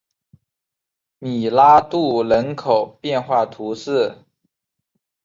米拉杜人口变化图示